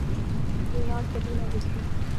یہ رات کبھی نہ گزرے